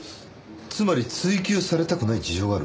つまり追及されたくない事情がある？